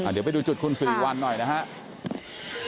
เดี๋ยวไปดูจุดคุณสิริวัลหน่อยนะครับ